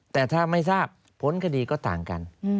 แต่ถ้าไม่ทราบผลคดีก็ต่างกัน